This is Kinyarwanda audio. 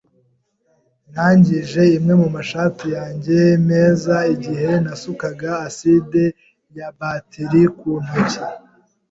Nangije imwe mu mashati yanjye meza igihe nasukaga aside ya batiri ku ntoki.